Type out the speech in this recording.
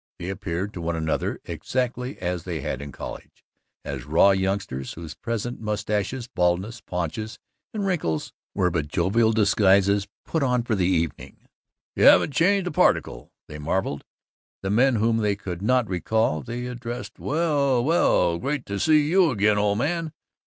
They appeared to one another exactly as they had in college as raw youngsters whose present mustaches, baldnesses, paunches, and wrinkles were but jovial disguises put on for the evening. "You haven't changed a particle!" they marveled. The men whom they could not recall they addressed, "Well, well, great to see you again, old man.